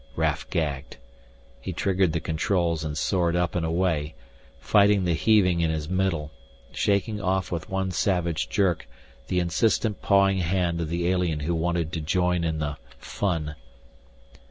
Raf gagged. He triggered the controls and soared up and away, fighting the heaving in his middle, shaking off with one savage jerk the insistent pawing hand of the alien who wanted to join in the fun.